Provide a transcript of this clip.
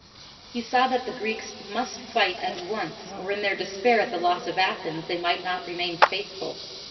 He saw that the Greeks must fight at once, or in their despair at the loss of Athens, they might not remain faithful.